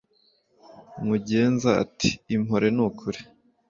Mugenza ati"impore nukuri